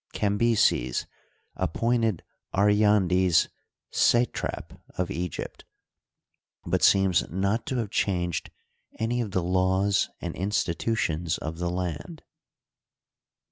Cambyses ap pointed Aryandes satrap of Egypt, but seems not to have changed any of the laws and institutions of the land.